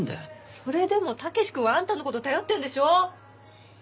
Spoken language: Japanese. それでも武志くんはあんたの事頼ってるんでしょう？